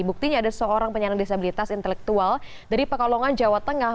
buktinya ada seorang penyandang disabilitas intelektual dari pekalongan jawa tengah